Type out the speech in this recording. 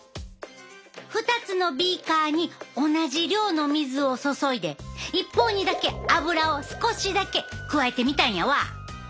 ２つのビーカーに同じ量の水を注いで一方にだけアブラを少しだけ加えてみたんやわ。